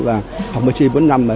và hồng bà sĩ vân năm